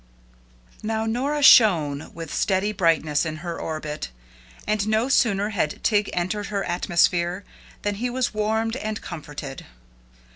Now Nora shone with steady brightness in her orbit, and no sooner had Tig entered her atmosphere, than he was warmed and comforted.